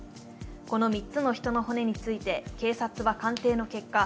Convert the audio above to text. この３つの人の骨について、警察は鑑定の結果